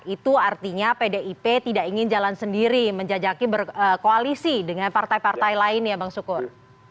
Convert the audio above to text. itu artinya pdip tidak ingin jalan sendiri menjajaki berkoalisi dengan partai partai lain ya bang sukur